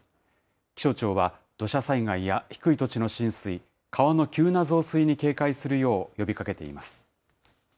気象庁は、土砂災害や低い土地の浸水、川の急な増水に警戒するよう呼びかけています。